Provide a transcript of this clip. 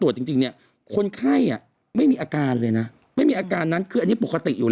จมูกอะไรอย่างนี้